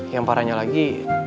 yang parahnya lagi